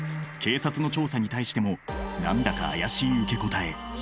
警察の調査に対しても何だか怪しい受け答え。